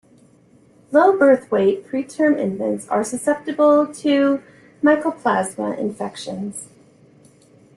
Low birth-weight, preterm infants are susceptible to "Mycoplasma" infections.